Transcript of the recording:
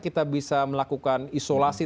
kita bisa melakukan isolasi